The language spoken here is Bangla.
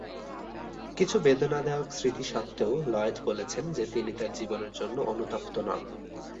কিছু বেদনাদায়ক স্মৃতি সত্ত্বেও, লয়েড বলেছেন যে তিনি তার জীবনের জন্য অনুতপ্ত নন।